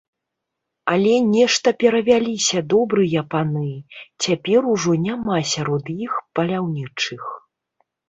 Але нешта перавяліся добрыя паны, цяпер ужо няма сярод іх паляўнічых.